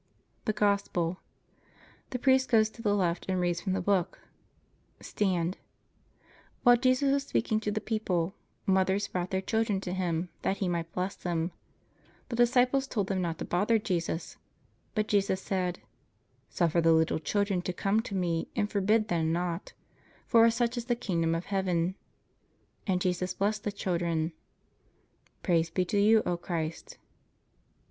THE GOSPEL The priest goes to the left and reads from the book. Stand While Jesus was speaking to the people, mothers brought their children to Him, that He might bless them. The disciples told them not to bother Jesus. But Jesus said, "Suffer the little children to come to Me and forbid them not. For of such is the kingdom of heaven." And Jesus blessed the children. Praise be to You, O Christ.